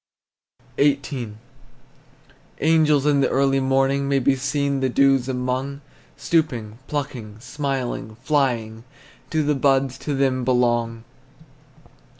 XVIII. Angels in the early morning May be seen the dews among, Stooping, plucking, smiling, flying: Do the buds to them belong?